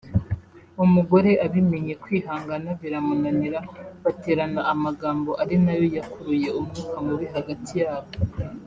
umugore abimenye kwihangana biramunanira baterana amagambo ari nayo yakuruye umwuka mubi hagati yabo